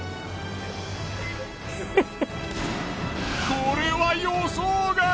これは予想外！